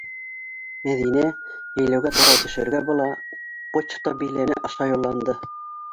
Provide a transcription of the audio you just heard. Мәҙинә, йәйләүгә тура төшөргә була, «Почта биләне» аша юлланды.